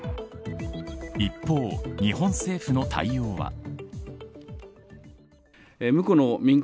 一方、日本政府の対応は。